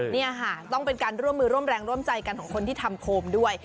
นี่ค่ะต้องเป็นการร่วมมือร่วมแรงร่วมใจกันของคนที่ทำโคมด้วย